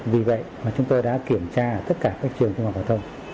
vì vậy chúng tôi đã kiểm tra tất cả các trường trung học phổ thông